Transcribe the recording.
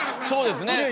そうですね。